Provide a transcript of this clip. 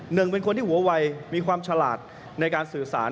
หนึ่งเป็นคนที่หัววัยมีความฉลาดในการสื่อสาร